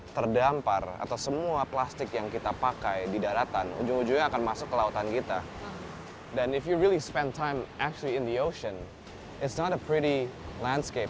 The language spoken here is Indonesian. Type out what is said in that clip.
berapa banyak polusi plastik di indonesia dan apa aja effort yang telah dilakukan oleh pemerintah